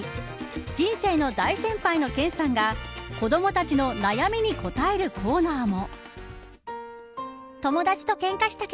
人生の大先輩の健さんが子どもたちの悩みに答えるコーナーも。